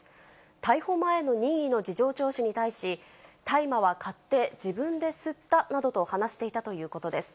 逮捕前の任意の事情聴取に対し、大麻は買って自分で吸ったなどと話していたということです。